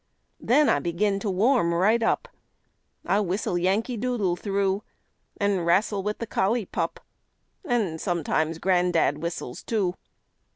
Then I begin to warm right up, I whistle "Yankee Doodle" through, An' wrastle with the collie pup And sometimes gran'dad whistles too.